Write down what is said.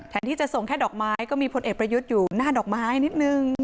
ที่จะส่งแค่ดอกไม้ก็มีพลเอกประยุทธ์อยู่หน้าดอกไม้นิดนึง